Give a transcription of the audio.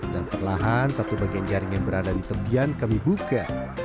dan perlahan satu bagian jaring yang berada di tebian kami buka